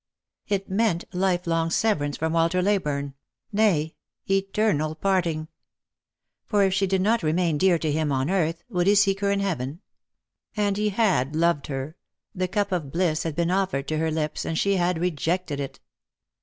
It meant lifelong severance from "Walter Leyburne, nay, eternal parting. For if she did not remain dear to him on earth, would he seek her in Heaven ? And he had loved her ; the cup of bliss had been offered to her lips, and she had re jected it.